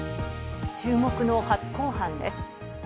注目の初公判です。